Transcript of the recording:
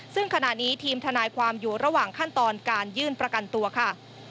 ซึ่งขณะนี้ทีมทนายความอยู่ระหว่างขั้นตอนการยื่นประกันตัวค่ะ